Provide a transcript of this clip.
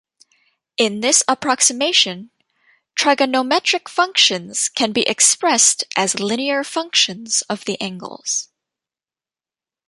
In this approximation, trigonometric functions can be expressed as linear functions of the angles.